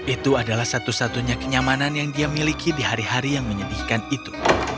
itu adalah satu satunya kenyamanan yang dia miliki di hari hari yang menyedihkan itu